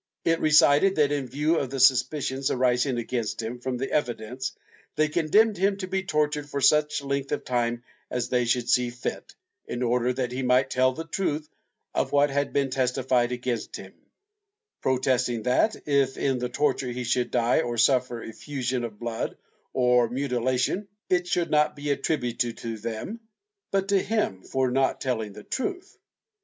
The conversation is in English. It recited that, in view of the suspicions arising against him from the evidence, they condemned him to be tortured for such length of time as they should see fit, in order that he might tell the truth of what had been testified against him, protesting that, if in the torture he should die or suffer effusion of blood oi mutilation, it should not be attributed to them, but to him for not telHng the truth.